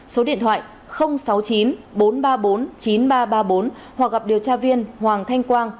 số điện thoại sáu mươi chín bốn trăm ba mươi bốn chín nghìn ba trăm ba mươi bốn hoặc gặp điều tra viên hoàng thanh quang